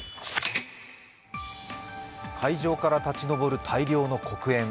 海上から立ち上る大量の黒煙。